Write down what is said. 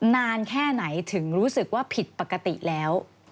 นานแค่ไหนถึงรู้สึกว่าผิดปกติแล้ว